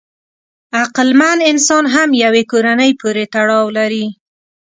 عقلمن انسان هم یوې کورنۍ پورې تړاو لري.